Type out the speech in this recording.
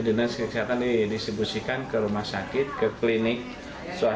kemarin kataan mau di pos yandu setelah apa